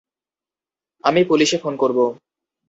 আমি পুলিশে ফোন করব!